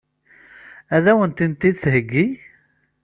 Ad wen-tent-id-theggi?